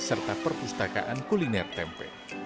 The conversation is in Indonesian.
serta perpustakaan kuliner tempe